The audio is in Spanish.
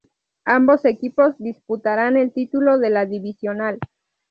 Ambos equipos disputarán el título de la divisional.